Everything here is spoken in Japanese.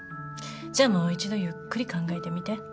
じゃあもう一度ゆっくり考えてみて。